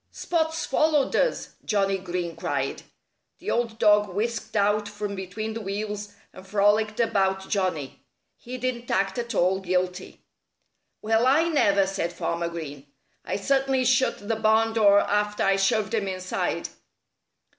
"Spot's followed us!" Johnnie Green cried. The old dog whisked out from between the wheels and frolicked about Johnnie. He didn't act at all guilty. "Well, I never!" said Farmer Green. "I certainly shut the barn door after I shoved him inside."